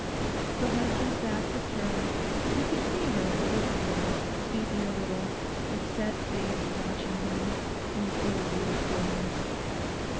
Her husband's back was turned, but he could see her in the looking glass, stooping a little, with set face watching him, in the silvery stillness.